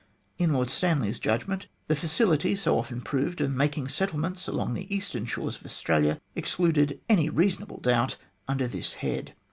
In Lord Stanley's judgment, the facility, so often proved, of making settlements along the eastern shores of Australia excluded any reasonable doubt under this head.